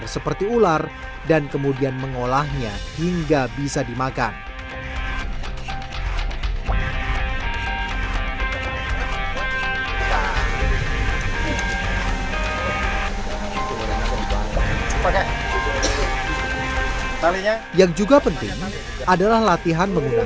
seperti apa ketika sudah di kapal selamnya